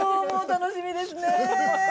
楽しみですね！